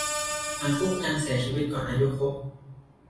หากผู้ประกันเสียชีวิตก่อนอายุครบ